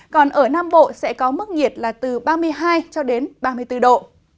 còn ở nam bộ sẽ có mức nhiệt là từ ba mươi hai ba mươi bốn độ